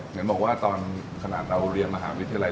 เห็นบอกว่าตอนขนาดเราเรียนมหาวิทยาลัย